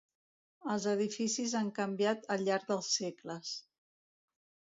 Els edificis han canviat al llarg dels segles.